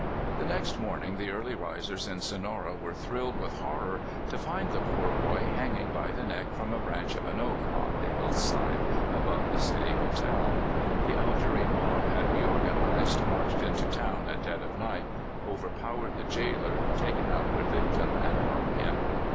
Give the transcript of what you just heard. The next morning the early risers in Sonora were thrilled with horror to find the poor boy hanging by the neck from a branch of an oak on the hillside above the City Hotel. The Algerine mob had reororanized, marched into town at dead of night, overpowered the jailer, taken out their victim, and hung him.